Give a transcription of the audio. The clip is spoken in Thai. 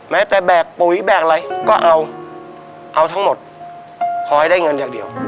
แม้แต่แบกปุ๋ยแบกอะไรก็เอาเอาทั้งหมดขอให้ได้เงินอย่างเดียว